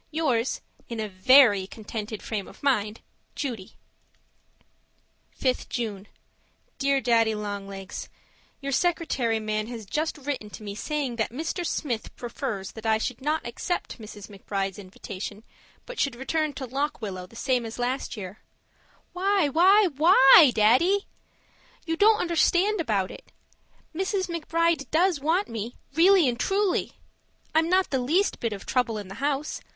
Yours, In a VERY contented frame of mind, Judy 5th June Dear Daddy Long Legs, Your secretary man has just written to me saying that Mr. Smith prefers that I should not accept Mrs. McBride's invitation, but should return to Lock Willow the same as last summer. Why, why, WHY, Daddy? You don't understand about it. Mrs. McBride does want me, really and truly. I'm not the least bit of trouble in the house.